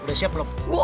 udah siap belum